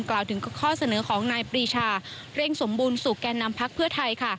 กล่าวถึงข้อเสนอของนายปรีชาเร่งสมบูรณสู่แก่นำพักเพื่อไทย